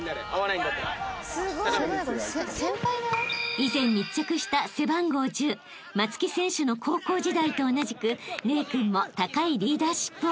［以前密着した背番号１０松木選手の高校時代と同じく玲君も高いリーダーシップを発揮］